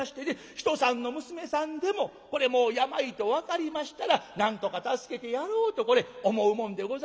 ひとさんの娘さんでもこれもう病と分かりましたらなんとか助けてやろうとこれ思うもんでございますよね。